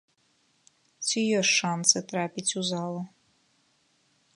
Ці ёсць шанцы трапіць у залу?